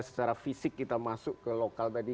secara fisik kita masuk ke lokal tadi